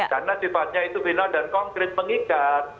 karena sifatnya itu final dan konkret mengikat